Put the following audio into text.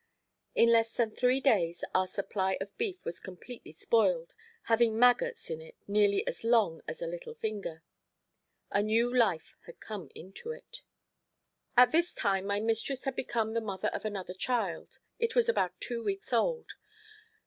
In less than three days our supply of beef was completely spoiled, having maggots in it nearly as long as a little finger. A new life had come into it. At this time my mistress had become the mother of another child; it was about two weeks old.